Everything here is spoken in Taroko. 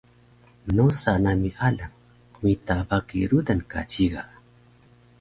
Mnosa nami alang qmita baki rudan ka ciga